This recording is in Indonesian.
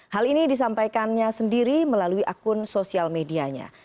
hal ini disampaikannya sendiri melalui akun sosial medianya